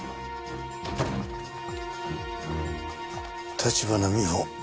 立花美穂